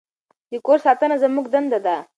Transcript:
د کور ساتنه زموږ دنده ده.